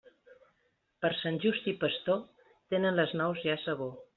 Per Sant Just i Pastor, tenen les nous ja sabor.